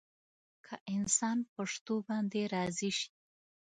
که انسان په شتو باندې راضي شي.